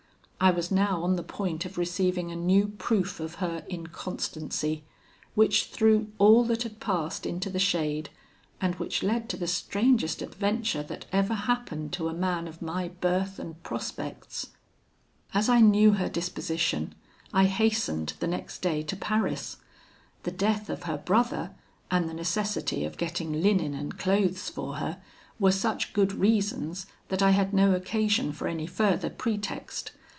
I was now on the point of receiving a new proof of her inconstancy, which threw all that had passed into the shade, and which led to the strangest adventure that ever happened to a man of my birth and prospects. "As I knew her disposition, I hastened the next day to Paris. The death of her brother, and the necessity of getting linen and clothes for her, were such good reasons, that I had no occasion for any further pretext.